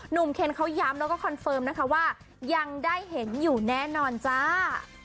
เคนเขาย้ำแล้วก็คอนเฟิร์มนะคะว่ายังได้เห็นอยู่แน่นอนจ้า